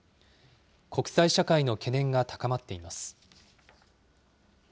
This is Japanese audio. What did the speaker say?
国際社会の懸念が高まっています。